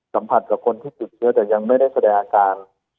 สัมผัสกับคนที่ติดเชื้อแต่ยังไม่ได้แสดงอาการ